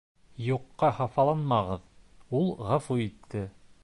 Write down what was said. Юҡҡа хафаланмағыҙ, ул ғәфү итте